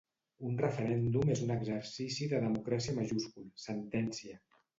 Un referèndum és un exercici de democràcia majúscul, sentència.